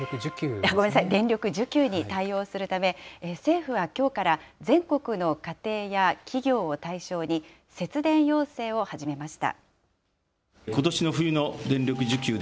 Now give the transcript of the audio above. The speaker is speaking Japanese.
ごめんなさい、電力需給に対応するため、政府はきょうから全国の家庭や企業を対象に、節電要請を始めました。